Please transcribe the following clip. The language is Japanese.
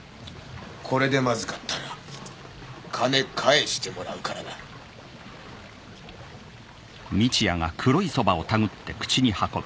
これでまずかったら金返してもらうからなうまい！